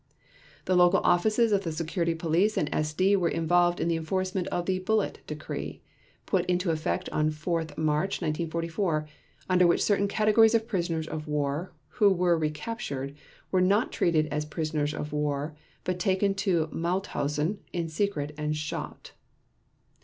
The local offices of the Security Police and SD were involved in the enforcement of the "Bullet" decree, put into effect on 4 March 1944, under which certain categories of prisoners of war, who were recaptured, were not treated as prisoners of war but taken to Mauthausen in secret and shot.